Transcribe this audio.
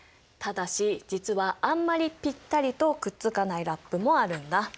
ただし実はあんまりぴったりとくっつかないラップもあるんだ。